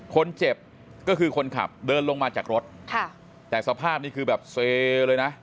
คนเจ็บก็คือคนขับเดินลงมาจากรถค่ะแต่สภาพนี้คือแบบเซเลยนะ